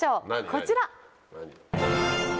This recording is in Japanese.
こちら！